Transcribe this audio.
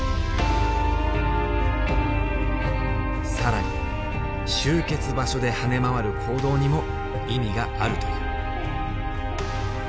更に集結場所で跳ね回る行動にも意味があるという。